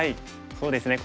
そうですね